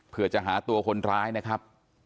เพื่อจะหาตัวคนร้ายนะครับ